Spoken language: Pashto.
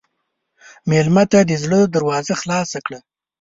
مېلمه ته د زړه دروازه خلاصه کړه.